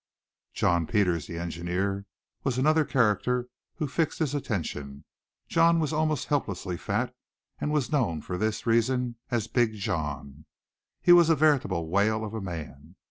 John Peters, the engineer, was another character who fixed his attention. John was almost helplessly fat and was known for this reason as "Big John." He was a veritable whale of a man.